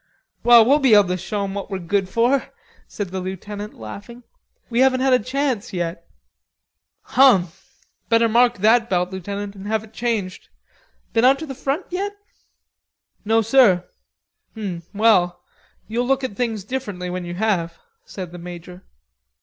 "Well, we'll be able to show 'em what we're good for," said the lieutenant, laughing. "We haven't had a chance yet." "Hum! Better mark that belt, lieutenant, and have it changed. Been to the front yet?" "No, sir." "Hum, well.... You'll look at things differently when you have," said the major.